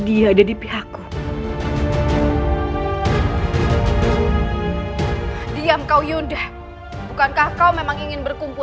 shandiqa gusana prabu